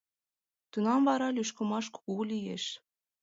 Тунам вара лӱшкымаш кугу лиеш.